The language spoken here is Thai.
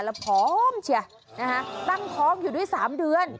แล้วพร้อมเชียะนะฮะตั้งพร้อมอยู่ด้วยสามเดือน